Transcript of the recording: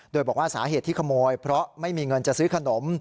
โดยบอกว่าสาเหตุที่ขโมยเพราะไม่มีเงินจะซื้อขนม